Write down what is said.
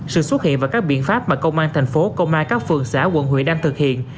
sự xuất hiện và các biện pháp mà công an thành phố công an các phường xã quận huyện đang thực hiện